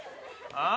ああ？